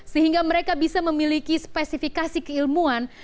sehingga mereka bisa memiliki spesifikasi keilmuan